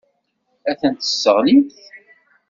Ad ten-tesseɣlimt.